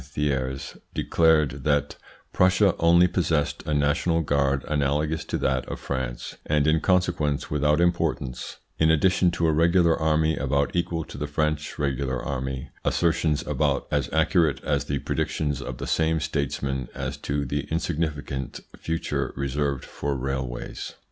Thiers declared that Prussia only possessed a national guard analogous to that of France, and in consequence without importance, in addition to a regular army about equal to the French regular army; assertions about as accurate as the predictions of the same statesman as to the insignificant future reserved for railways.